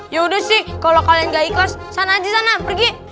yaudah sih kalau kalian gak ikhlas sana aja sana pergi